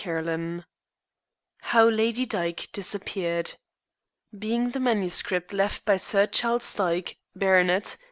CHAPTER XXIX HOW LADY DYKE DISAPPEARED (_Being the Manuscript left by Sir Charles Dyke, Bart.